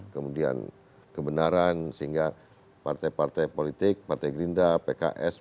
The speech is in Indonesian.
kemudian kebenaran sehingga partai partai politik partai gerindra pks